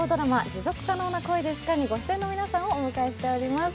「持続可能な恋ですか？」にご出演の皆さんをお迎えしております。